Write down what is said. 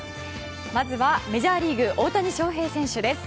まずはメジャーリーグ大谷翔平選手です。